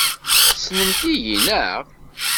Tessnemt-iyi, naɣ?